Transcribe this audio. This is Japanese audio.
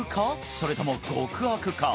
それとも極悪か？